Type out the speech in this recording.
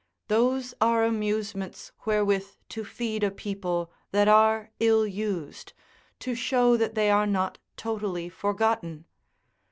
Those are amusements wherewith to feed a people that are ill used, to show that they are not totally forgotten.